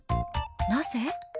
なぜ？